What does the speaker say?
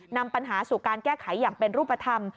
นำปัญหาสู่การแก้ไขอย่างเป็นรูปธรรม